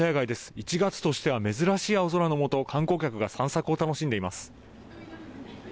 １月としては珍しい青空のもと観光客が散策を楽しんでいます。